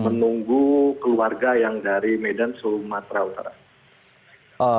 menunggu keluarga yang dari medan sumatera utara